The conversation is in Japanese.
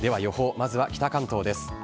まずは北関東です。